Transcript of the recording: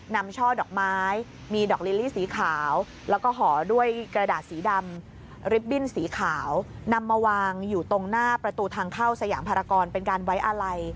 ช่อดอกไม้มีดอกลิลลี่สีขาวแล้วก็ห่อด้วยกระดาษสีดำริบบิ้นสีขาวนำมาวางอยู่ตรงหน้าประตูทางเข้าสยามภารกรเป็นการไว้อาลัย